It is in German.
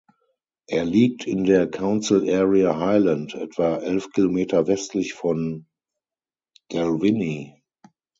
Er liegt in der Council Area Highland etwa elf Kilometer westlich von Dalwhinnie.